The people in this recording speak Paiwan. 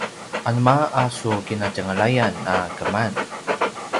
anema a su kinatjenglayan a keman?